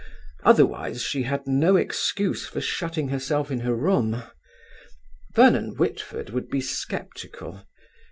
Otherwise she had no excuse for shutting herself in her room. Vernon Whitford would be sceptical.